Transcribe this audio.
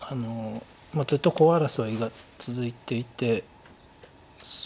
ずっとコウ争いが続いていて。